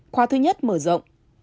khoa thứ nhất mở rộng